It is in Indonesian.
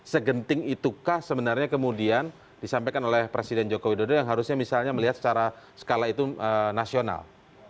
segenting itukah sebenarnya kemudian disampaikan oleh presiden joko widodo yang harusnya misalnya melihat secara skala itu nasional